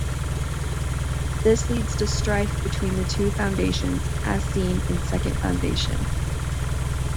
This leads to strife between the two Foundations, as seen in Second Foundation.